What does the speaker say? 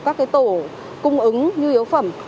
các cái tổ cung ứng nhu yếu phẩm